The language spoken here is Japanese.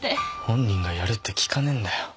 本人がやるって聞かねえんだよ。